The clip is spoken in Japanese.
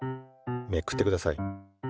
めくってください。